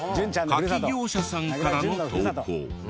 カキ業者さんからの投稿。